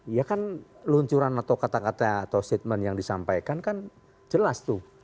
ya kan luncuran atau kata kata atau statement yang disampaikan kan jelas tuh